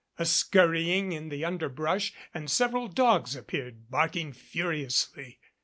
A skurrying in the underbrush, and several dogs appeared, barking furiously.